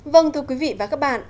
vâng thưa quý vị và các bạn